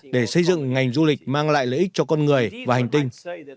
để xây dựng ngành du lịch mang lại lợi ích cho con người và hành tinh